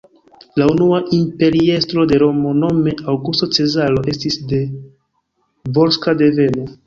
La unua imperiestro de Romo nome Aŭgusto Cezaro estis de volska deveno.